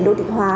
đô thịch hóa